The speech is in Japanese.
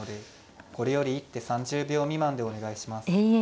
これより一手３０秒未満でお願いします。